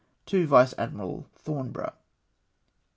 " To Vice Admii al Thornborougli."